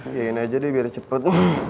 biayain aja deh biar cepet